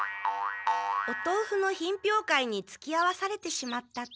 おとうふの品評会につきあわされてしまったと。